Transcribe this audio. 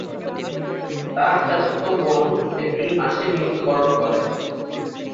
তার চাচাতো বোন এপ্রিল মাসে মৃত্যুবরণ করে।